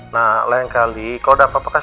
nah lain kali kalau dapet pekas